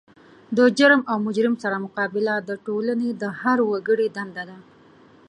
د جرم او مجرم سره مقابله د ټولنې د هر وګړي دنده ده.